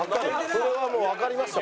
それはもうわかりました